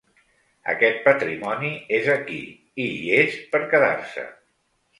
Aquest patrimoni és aquí i hi és per quedar-se.